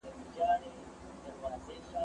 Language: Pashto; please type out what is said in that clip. که باران وسي، زه به پاته سم؟!